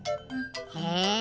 へえ！